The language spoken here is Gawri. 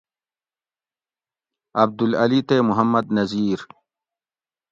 عبدالعلی تے محمد نذیر